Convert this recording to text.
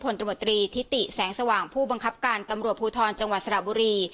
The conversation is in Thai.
ตมตรีทิติแสงสว่างผู้บังคับการตำรวจภูทรจังหวัดสระบุรี